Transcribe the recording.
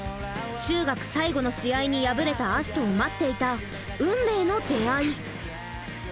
中学最後の試合に敗れた葦人を待っていた運命の出会い。